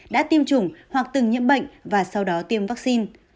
đã tiêm chủng hoặc từng nhiễm bệnh và sau đó tiêm vaccine